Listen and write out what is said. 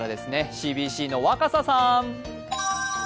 ＣＢＣの若狭さん。